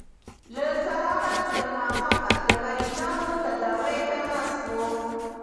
له سهاره تر ماښامه د مریضانو تداوۍ ته ناست وو.